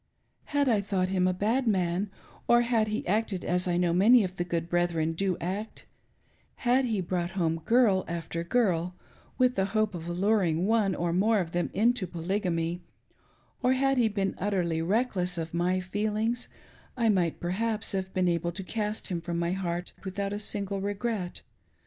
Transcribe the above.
Had I thought him a bad man, or had he acted as I know many of the good brethren do act; had he brought home girl after girl with the hope of alluring one or more of them into Polygamy, or had he been utterly reckless of my feelings, I might perhaps have been able to cast him from my heaft without a single regret.